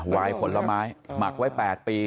วายผลไม้หมักไว้๘ปี